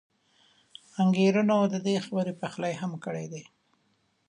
انګېرنو د دې خبرې پخلی هم کړی دی.